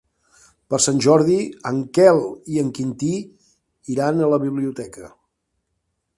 Per Sant Jordi en Quel i en Quintí iran a la biblioteca.